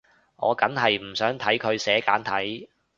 我梗係唔想睇佢寫簡體